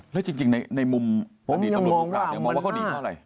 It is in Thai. แล้วจริงมองว่าเขาหนีเพราะอะไร